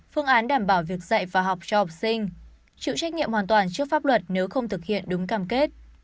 phương án đảm bảo việc dạy và học cho học sinh chịu trách nhiệm hoàn toàn trước pháp luật nếu không thực hiện đúng cam kết